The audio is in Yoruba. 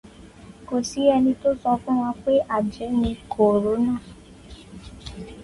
Kò sí ẹni tó sọ fún wa pé àjẹ́ ní kòrónà.